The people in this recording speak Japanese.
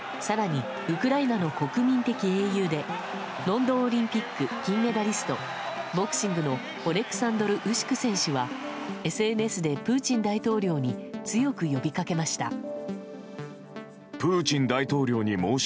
更に、ウクライナの国民的英雄でロンドンオリンピック金メダリストボクシングのオレクサンドル・ウシク選手はＳＮＳでプーチン大統領に強く呼びかけました。